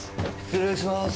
失礼しまーす。